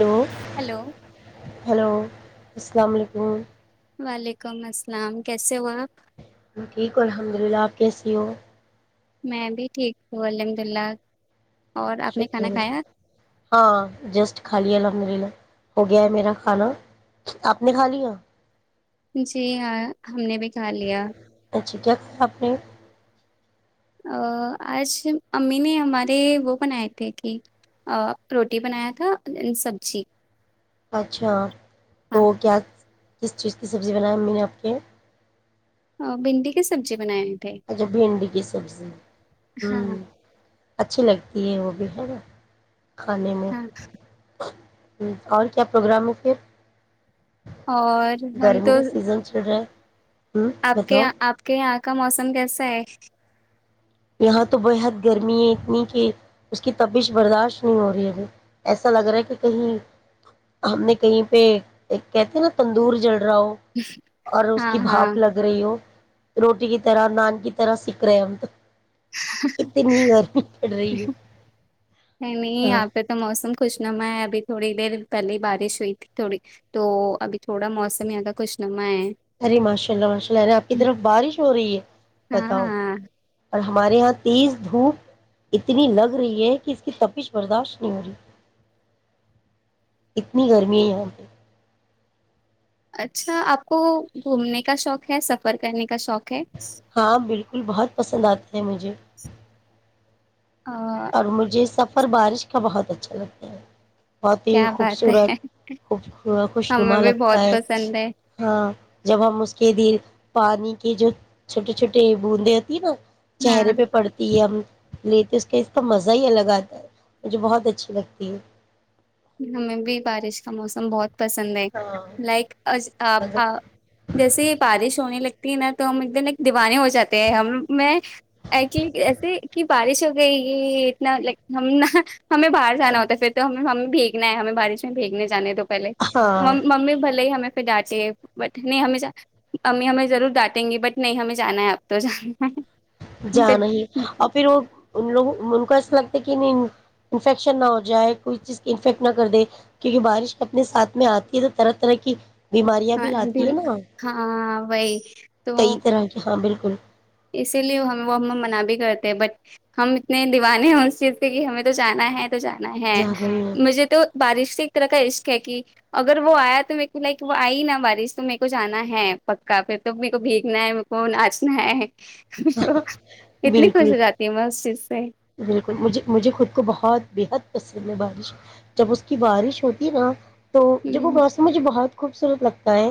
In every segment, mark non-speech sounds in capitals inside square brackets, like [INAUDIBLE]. hello hello hello [INAUDIBLE] [INAUDIBLE] وعلیکم السلام کیسے ہو آپ ٹھیک الحمد للہ آپ کیسی ہو میں بھی ٹھیک ہوں الحمد للہ اور آپ نے کھانا شری کھایا ہاں جسٹ خال ل مریلا ہو گیا ہے میرا کھانا آپ نے کھا لیا [INAUDIBLE] جی ہاں ہم نے بھی کھا لیا ا چ کیاپ نے [INAUDIBLE] آج امی نے ہمارے وہ بنائے تھے کہ روٹی بنایا تھا این سبزی اچھا [INAUDIBLE] ہاں تو کیا [INAUDIBLE] کس چیز کی سبزی بنایا میں نے آپ کے ہ بھنڈی کی سبزی بنائے ہیں اچھا بھنڈی کی سبزی ہوں ہاں [INAUDIBLE] اچھی لگتی ہے وہ بھی ہےیرا [INAUDIBLE] کانے میں ہاں [INAUDIBLE] ہ اور کیا پروگرام ہو پھر [INAUDIBLE] اور ہم گرمی تو کا سیزن چل رہا ہے ہوں آپ کے بتاؤ آپ کے یہاں کا موسم کیسے [INAUDIBLE] یہاں تو بےحد گرمی ہے اتنی کہ اس کی تبیش برداشت نہیں ہو رہی ہے ابھی ایسا لگ رہا ہے کہ کہیں ہم نے کہیں پہ ایک کہتے نا تندور جڑ [UNINTELLIGIBLE] رہا ہو اور اس ہاں کی ہاں بھاپ لگ رہی ہو روٹی کی طرح نان کی طرح سیکھ رہے ہیں ہم تو اتنی گرمی پڑ رہی ہے نہیں نہیں ہاں آاں پہ تو موسم خوش نما ہے ابھی تھوڑی دیر پہلے بارش ہوئی تھی تھوڑی تو ابھی تھوڑا موسماںگر کا خوش نما ہے ارے ماشاء اللہ ماشاء اللہ ارے آپ کی طرف بارش ہو رہی ہے بتاؤ ہاں اور ہمارے یہاں تیز دھوپ اتنی لگ رہی ہے کہ اس کی تپش برداشت نہیں ہو رہی اتنی گرمی ہے یہاں پہ اچھا آپ کو گھومنے کا شوق ہے سفر کرنے کا شوق ہے ہاں بالکل بہت پسند آتا ہے مجھے آ، اور مجھے سب اور بارش کا بہت اچھا لگتا ہے بہت ہی کیا بات ہے خوبصورت خوب خوش ہمیں نما بھی لگتا بہت ہے پسند ہے ہاں جب ہم اس کے دل پانی کہ جو چھوٹی چھوٹے بوندیںتی نا ہاں چہرے پہ پڑتی ہے ہم لی ت اس کے تو مزہ ہی الگ آتا ہے مجھے بہت اچھی لگتی ہے ہمیں بھی بارش کا موسم بہت پسند ہے ہاں لائک آپ جیسے بارش ہو ہونے لگتی ہے ن تو ہم ایک دن ایک دیوانے ہو جاتے ہیں ہم میں ایسے کہ بارش گئی یہ اتنا لائک ہم ن ہمیں باہر جانا ہوتا ہے پھر تو ہم نا ہے ہمیں بارش میں بھییکنے جانے تو پے ہاں ممی بول ہی ہم پ ڈانٹے بٹ نہیں ہمیں امی ہمیں ضرور ڈانٹیں گی بٹ نہیں ہمیں جانا ہے اب تو جانا ہے ج نہیں اور پھر وہ ان لوگ ایسا لگتا ہے کہ انفیکشن نہ ہو جائے کوئی چیز انفیکٹ نہ کر دے کیونکہ بارش اپنے ساتھ میں آتی ہے تو طرح طرح کی بیماریاں بھی لاتی ہے نا ہاں وہی تو کئی طرح کے ہاں بالکل اسکل اسی لیے ہم وہ ہمیں منا بھی کرتے ہیں بٹ ہم اتنے دیوانے ہیں اس چیز پ کہ ہمیں تو جانا ہے جانا ہے جا رہی ہیں مجھے تو بارش سے ایک طرح کا اس کہ کہ اگر وہ آیا تو میرے کو لائک وہ آئی نا بارش تو میرے کو جانا ہے پکا پھر تو میر کو بھیگنا ہے میرے کو ناچنا ہے جی اتنی بالکل خوش ہو جاتی ہوں میں اس چیز سے بالکل مجھے مجھے خود کو بہت بےحد ت میں بارش جب اس کی بارش ہوتی نا تو ہ جب وہ گاؤس مجھے بہت [UNINTELLIGIBLE] خوبصورت لگتا ہے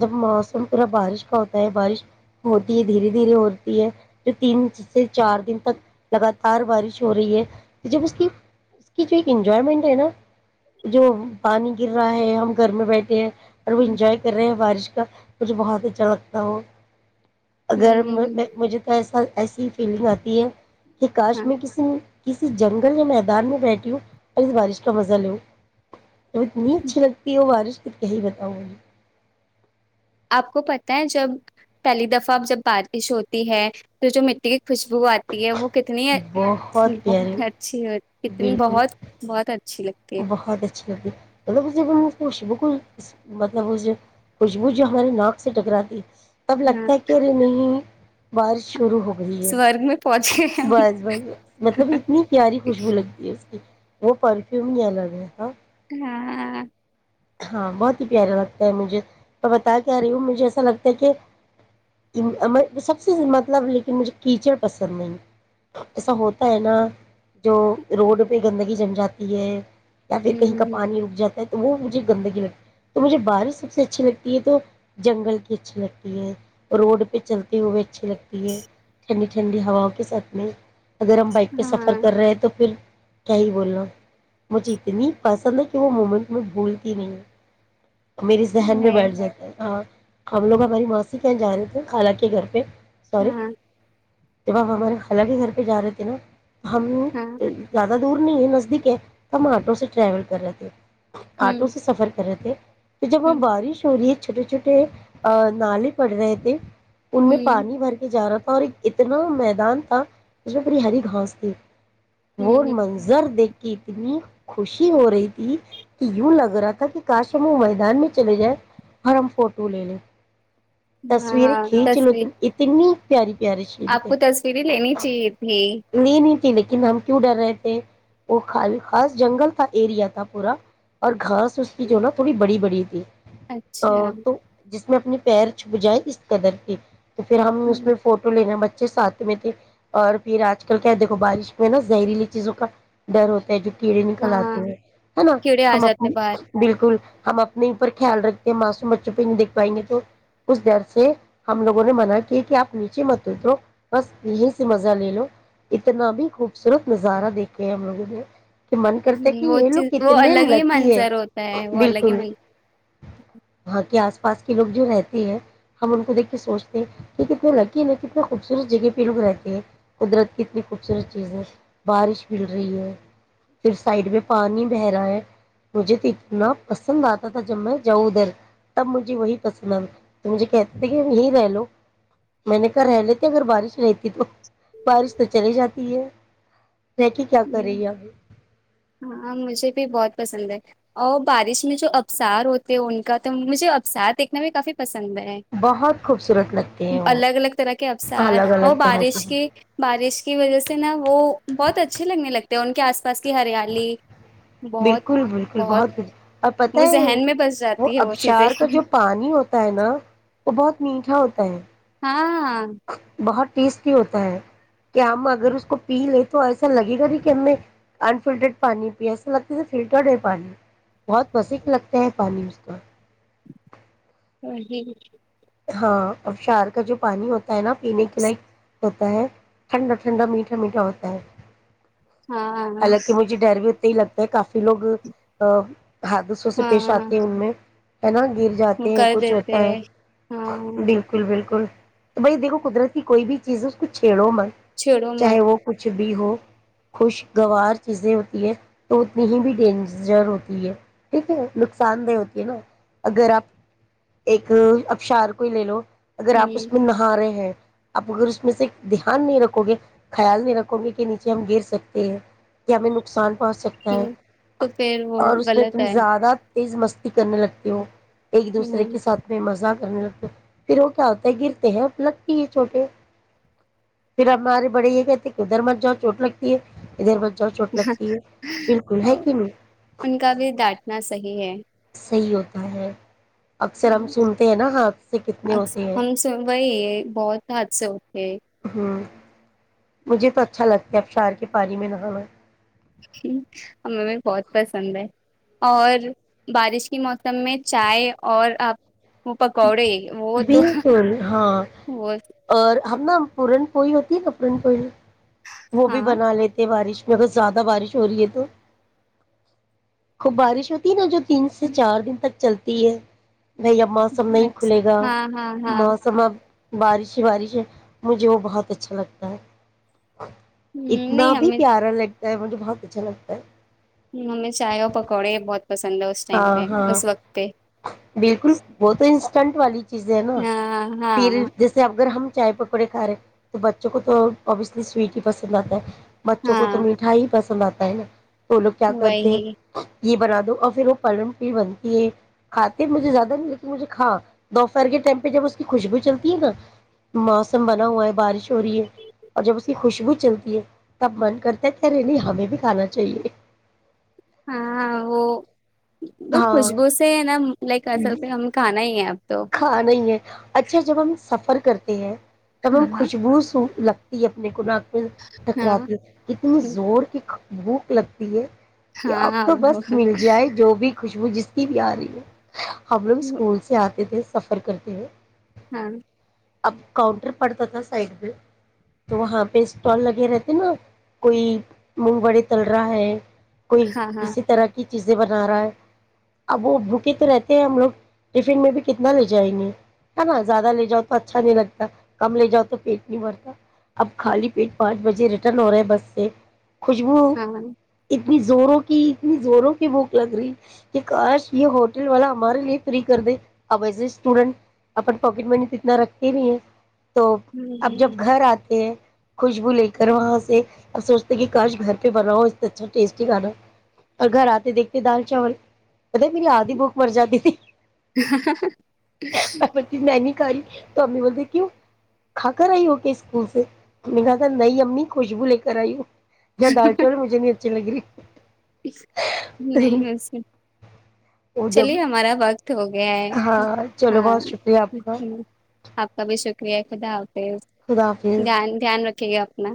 جب موسم پورا بارش کا ہوتا ہے بارش ہوتی ہے دھیرے دھیرے ہوتی ہے جو تین سے چار دن تک [UNINTELLIGIBLE] لگاتار بارش ہو رہی ہے جب اس کی اس کی جو ایک انجوائمنٹ ہے نا جو پانی گر رہا ہے ہم گھر میں بیٹھے ہیں [UNINTELLIGIBLE] اور وہ انجوائے کر رہے ہیں بارش [UNINTELLIGIBLE] کا مجھے بہت اچھا لگتا ہو [UNINTELLIGIBLE] ہ اگر مجھے تو ایسا [UNINTELLIGIBLE] ایسی فیلنگ آتی ہے [UNINTELLIGIBLE] کہ کاش میں ہاں کسی [UNINTELLIGIBLE] کسی جنگل یا میدان میں بیٹ ہوں اور اس بارش کا مزہ لوں [UNINTELLIGIBLE] تو اتنی اچھی لگتی ہے وہ وارش [UNINTELLIGIBLE] یہی بتاؤں گی [UNINTELLIGIBLE] آپ کو پتہ ہے جب پہلی دفعہ اب جب بارش ہوتی [UNINTELLIGIBLE] ہے تو جو مٹی کے خوشبو آتی ہے وہ کتنی اچھی بہت پیاری ہو کتنی بالکل بہت بہت [UNINTELLIGIBLE] ہے بہت اچھی لگتی ملب ب میں خوش بھی کوئی مطلب اس جو خوشبو جو ہماری ناک سے ٹکراتی ہے اب ہاں لگتا ہے کہے نہیں بارش شرو ہو گئی ہے سورگ میں پہنچے ہم بس بس بس مطلب اتنی پیاری خوشبو لگتی ہے اس کی وہ پر [UNINTELLIGIBLE] فیوں نہیںلگ گ ہے ہاں [UNINTELLIGIBLE] ہاں ہاں بہت ہی پیارا لگتا ہے مجھے میں بتا کے آ رہی ہوں مجھے ایسا لگتا ہے کہ سب سے مطلب لیکن مجھے کیچڑ پسند نہیں ایسا ہوتا ہے نا جو روڈ پہ گندگی جم جاتی ہے یا پھر کہیں کا ہ پانی اگ جاتا ہے وہ مجھے گندگی لگتی ہے تو مجھے بارش سب سے اچھی لگتی ہے تو جنگل کی اچھی لگتی ہے روڈ پہ چلتا وہ بھی اچھی لگتی ہے ٹھنڈ ٹھنڈی ہواؤں کے ساتھ میں اگر ہم بائک پہ سفر ہاں کر رہے ہیں تو پھر کیا ہی بول رہ مجھے اتنی پسند ہے کہ وہ مومنٹ میں بھول تین [UNINTELLIGIBLE] میرری ذہن میں بیٹھ جاتا ہے ہاں ہم لوگ ہماری ماںسی کہاں جانے تھے خالا کے گھر پہ ہاں ج ب آپ ہمارے خال کے گھر پہ جا رہے تھے نا ہم ہاں [UNINTELLIGIBLE] ز دور نہیں ہے نزدیک ہے ہم آٹو سے ٹریول کر رہے تھ ہ آٹو سے سفر کرتے تو جب ہ بارش ہو رہی ہے چھوٹے چھوٹے نالے پڑ رہے تھے ان میں ہ پانی بھر کے جا رہا تھا اور ایک اتنا میدان تھا جس میں پوری ہری گھاس تھی وہ ہ منظر دیکھ کے کہ اتنی خوشی ہو رہی تھی کہ یوں لگ رہا تھا کہ کاش م دان میں چلے جائے اور ہم فوٹو لے لیں تصویر ہاں کھیچلو ت تصویر اتنی پیاری پیاری سین آپ تھے کو تصویریں لینی چاہیے تھی لی نہیں لیکن ہم کیوں ڈر رہے تھے وہ خاص جنگل کا ایریا تھا پورا اور گھاس اس کی جو نا تھوڑی بڑی بڑی رتی اچھا اس میں اپنی پیر چھپ جائائے اس قدر کے تو پھر ہم ہاں اس میں فوٹو لینےا بچے اچھے ساتھ میں تھے اور پھر آج کل کیا دیکھو بارش میں نا زہریلی چیزوں کا ڈر ہوتا ہے جو کیڑے نکل آتے ہاں ہیں ہے نا کیڑے آ ہم اپ جاتے باہر بالکل [UNINTELLIGIBLE] اپنے اپر خیال رکھتے ہیں مسوم چپے دھ پائیں گے تو اس ڈر سے ہم لوگوں نے منع کیا کہ آپ نیچے مت اترو بس یہی سے مزہ لے لو اتنا بھی خوبصورت نظارہ دیکھے ہم لوگوں نے کہ من کرتا کہ ہوں، وہ یہ لوگ چیز وہ کتنے الگ ہی لکی ہے منظر ہوتا ہے وہ الگ ہی بالکل وہاں کے آس پاس کے لوگ جو رہتے ہیں ہم ان کو دیک کے سوچتے ہیں کہ کتنے لکیین کتنے خوبصورت جگہ پہ لوگ رہتے ہیں قدرت کی اتنی خوبصورت چیز ہے بارش مل رہی ہے پھر سائڈ میں پانی بہ رہا ہے مجھے تو اتنا پسند آتا جب میں جاؤں ادھر تب مجھے وہی پسند آ تو مجھے کہتے تھے کہ یہیں رہ لو میں نے کہ رہ لیتے اگر بارش رہتی تو بارش تو چلی جاتی ہے رہ کے کیا ہ کرے گی ابھی ہاں مجھے بھی بہت پسند ہے اور بارش میں جو ابسار ہوتے ان کا تو مجھے ابسار دیکھنا بھی کافی پسند بہت خوبصورت لگتے ہیں وہ الگ الگ طرح کے اسار الگ اور الگ طرح بارش کے بارش کی وجہ سے نا وہ بہت اچا لگتے ہیں ان کے آس پاس کی ہریالی بہت بالکل بالکل بہت کچھ ا پت وہ ہے ذہن میں بس وہ جاتی ہے چیزیں ابشار کا جو پانی ہوتا ہے نا وہ بہت میٹھا ہوتا ہے ہاں بہت ٹیسٹی ہوتا ہے کہ ہم اگر اس کو پی لے تو ایسا لگے گا نہیں کہ ہم نے انفلٹرڈ پانی پی ایسا لگتا فلٹرڈ ہے پانی بہت بسییک لگتا ہے پانی اس کا ا ج ہاں اشار کا جو پانی ہوتا ہے نا پینے کے لائ ہوتا ہے ٹھنڈا ٹھنڈا میٹھا میٹھا ہوتا ہے ہاں حالانکہ مجھے ڈر بھی ہو ہی لگتا ہے کافی لوگ ا حادثوں سے پیش آتی ہے ان میں ہے نا گر ہمم جاتے ہیں کچھ کردتے ہوتا ہے ہاں بالکل بھی بالکل تو بھائی دھکو قدرت کی کوئی بھی چیز ہے اس کو چھیڑو مت چھوڑو چاہے مت وہ کچھ بھی ہو خوشگوار چیزیں ہوتی ہے تو اتنی ہی بھی ڈینجر ہوتی ہے ٹھیک ہے نقصان دہ ہوتی ہے نا اگر آپ ایک ابشار کو کوئی لے لو اگر ہ آپ اس میں نہا رہے ہیں آپ اگر اس میں سے دھیان نہیں رکھو گے خیال نہیں رکھو گے کہ نیچے ہم گھیر سکتے ہیں کہ ہمیں نقصان پہنچ سکتے ہیں ہ تو پھر وہ اور اس میں غلط تم ہے زیادہ تیز مستی کرنے لگتے ہو ایک دوسرے کے ساتھ میں مذاق [INAUDIBLE] پھر وہ کیا ہوتا ہے گرتے ہیں لگتی ہے چھوٹے پھر ہم ہمارے بڑے یہ کہتے کہ ادھر مت جاؤ چوٹ لگتی ہے ادھر مت چوٹ لگتی ہے بالکل ہ ہے کہ نہیں ان کا بھی ڈانٹنا صحیح ہے صحیح ہوتا ہے اکثر ہم سنتے ہیں نا ہاتھ سے کتنے ہاں، ہوتے ہیں ہم سے وہی بہت حادثے ہو ہممم مجھے تو اچھا لگتا ہے ابشار کے پانیاری میں نہانا ہمیں بہت پسند ہے اور بارش کے موسم میں چائے اور آپ پکؤڈے وہ تو بالکل ہاں اور ہم نہ پورن پولی ہوتی ہے ن پورن پولی وہ بھی ہاں بنا لیتے ہیں بارش میں مگر زیادہ بارش ہو رہی ہے تو خوب بارش ہوتی نا جو تین سے چار دن تک چلتے تین بھائی اب موسم نہیں کھلے گا اچھا ہاں ہاں ہاں موسم اب بارش ہی بارش ہے مجھے وہ بہت اچھا لگتا ہے اتنا نہیں بھی ہمیں پیارا لگتا مجھے بہت اچھا لگتا ہے ہممم ہمیں چائے اور پکوڑے بہت پسند ہے اس ٹائم ہاں پہ ہاں اس وقت پہ بالکل بہت چنٹ والی چیزیں ہے نا ہاں ہاں پھر جیسے اگر ہم چائے پکوڑے کھا رہے ہیں تو بچوں کو تو ابویسلی سویٹ ہی پسند آتا ہے بچوں کو تو ہاں مٹھائی ہی پسند آتی ت نا [UNINTELLIGIBLE] وہ لوگ کیا کرتے وہی یہ بنا دو اور پھر وہ پن پ بنتی ہے کھاتے مجھے زیادہ نہیں لیکن مجھے کھا دوپہر کے ٹائم پہ جب اس کی خوشبو چلتی ہے نا موسم بنا ہوا ہے بارش ہو رہی ہے اور جب اس کی خوشبو چلتی ہے تب من کرتے تھ اے نہیں ہمیں بھی کانا چاہے ہاں وہو وہ ہاں خوشبو سے نا لائک ایصل تو ہم کھانا ہی ہے اپ کھا نہیں ہے اچھا جب ہم سفر کرتی ہیں تب ہاں ہاں خوشبو ہ [UNINTELLIGIBLE] لگتی ہے اپنے کو نہ ہاں ٹکراتی کتنی زور کی بھوک لگتی ہے اب ہاں تو بس وہ- مل جائے جو بھی خوشبو جس کی بھی آ رہی ہے ہم لوگ اسکول سے آتے تے تھ سفر کرتے ہوئے ہاں اب کاؤنٹر پڑتا تھا سائڈ میں تو وہاں پہ اسٹال لگے رہتے نا کوئی مونگ بڑے تل رہا ہے کوئی ہاں ہاں کسی طرح کی چیزیں بنا رہا ہے اب وہ بھوکے تو رہتے ہیں ہم لوگ ٹفن میں بھی کتنا لے جائیں گے ہے نا زیادہ لے جاؤ تو اچھا نہیں لگتا کم لے جاؤ تو پیٹ نہیں بھرتا اب خالی پیٹ پانچ بجے ریٹرن ہو رہا ہے بس سے خوشبو ہاں اتنی زوروں کی اتنی زوروں کی بھوک لگ رہی کہ کاش یہ ہوٹل والا ہمارے لیے فری کر دے اب ایز اے اسٹوڈنٹ اپن پاکٹ منی تو اتنا رکھتے نہیں ہے تو اب جب گھر آتے ہیں خوشبو لے کر وہاں سے اب سوچتے کہ کاش گھر پہ بناؤ اس اچھا ٹیسٹی کھانا اور گھر آتے دیکھتے دال چاول بت میری آدھی بھوک مر جاتی تھی بولتی میں نہیں [UNINTELLIGIBLE] تو امی بولتے کیوں کھا کر آئی ہو کے اسکول سے نے کہا تھا نہیں امی خوشبو لے کر آئی ہو یا دال چوول مجھے نہیں اچھی لگ رہی نہیں وسے وہ جب چلیے ہمارا باغ ہو گیا ہے ہاں چلو ہاں بہت شکریہ آپ کا آپ کا بھی شکر چلیے خدا حافظ خدا حافظ دھیان رکھ خیال رکھیے اپنا